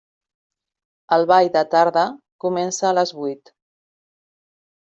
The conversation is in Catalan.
El ball de tarda comença a les vuit.